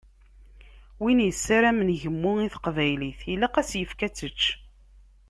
Win yessarmen gemmu i teqbaylit ilaq ad as-yefk ad tečč.